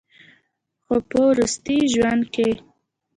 خو پۀ وروستي ژوند کښې